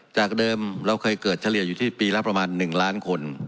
จากเดิมเราเคยเกิดเฉลี่ยอยู่ที่ปีละประมาณ๑ล้านคน